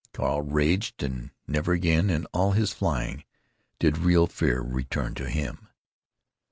Carl raged, and never again, in all his flying, did real fear return to him.